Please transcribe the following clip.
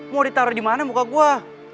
mau ditaro dimana muka gue